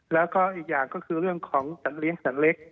แล้วก็อีกอย่างก็คือเรื่องของสันเลี้ยสัตว์เล็ก